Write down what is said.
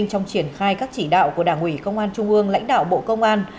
trong triển khai các chỉ đạo của đảng ủy công an trung ương lãnh đạo bộ công an